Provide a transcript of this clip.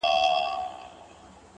• ستا خــوله كــي ټــپه اشــنا،